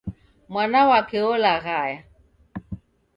Mwana wake olaghaya